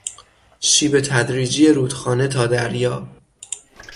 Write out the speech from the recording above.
شیب تدریجی رودخانه تا دریا